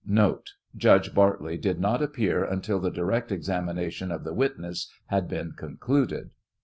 (Note.— Judge Bartley did not appear until the direct examination of the witness had been' concluded.)